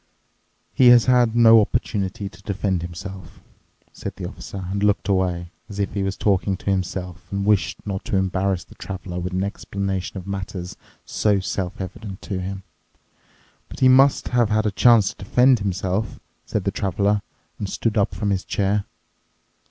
"He has had no opportunity to defend himself," said the Officer and looked away, as if he was talking to himself and wished not to embarrass the Traveler with an explanation of matters so self evident to him. "But he must have had a chance to defend himself," said the Traveler and stood up from his chair.